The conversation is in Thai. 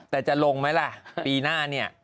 แต่จะลงไหมล่ะปีหน้าเนี่ย